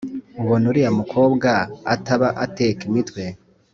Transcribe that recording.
Ubona uriya mukobwa ataba ateka imitwe